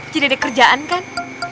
jadi dekerjaan kan